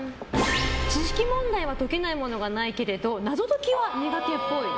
知識問題は解けないものがないけれど謎解きは苦手っぽい。